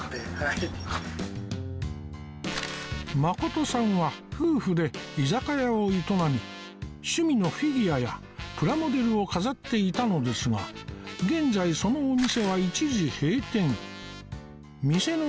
まことさんは夫婦で居酒屋を営み趣味のフィギュアやプラモデルを飾っていたのですが現在そのお店は一時閉店